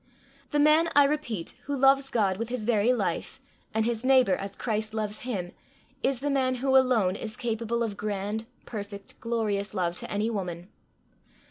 The man, I repeat, who loves God with his very life, and his neighbour as Christ loves him, is the man who alone is capable of grand, perfect, glorious love to any woman.